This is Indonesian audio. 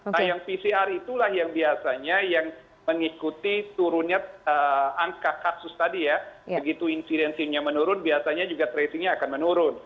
nah yang pcr itulah yang biasanya yang mengikuti turunnya angka kasus tadi ya begitu insidensinya menurun biasanya juga tracingnya akan menurun